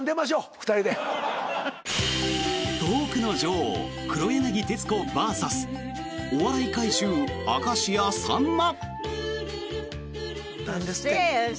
トークの女王、黒柳徹子ＶＳお笑い怪獣、明石家さんま。